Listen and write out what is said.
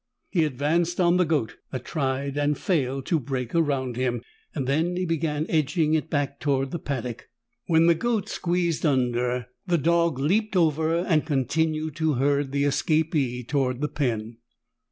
He advanced on the goat, that tried and failed to break around him. Then he began edging it back toward the paddock. When the goat squeezed under the dog leaped over and continued to herd the escapee toward the pen.